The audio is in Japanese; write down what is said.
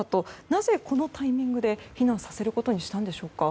なぜこのタイミングで避難させることにしたのでしょうか。